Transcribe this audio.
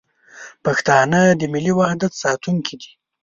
پښتانه د ملي وحدت ساتونکي دي.